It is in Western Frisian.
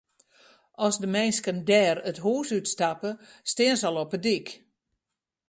As de minsken dêr it hûs út stappe, stean se al op de dyk.